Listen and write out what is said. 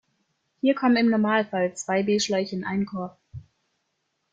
Hier kommen im Normalfall zwei B-Schläuche in einen Korb.